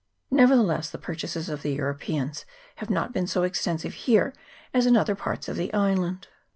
Nevertheless the purchases of the Europeans have not been so extensive here as in other parts of the island.